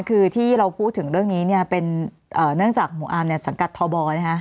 คือที่เราพูดถึงเรื่องนี้เนี่ยเป็นเนื่องจากหมู่อาร์มเนี่ยสังกัดทบนะคะ